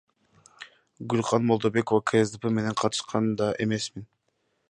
Гүлкан Молдобекова, КСДП Мен катышкан да эмесмин.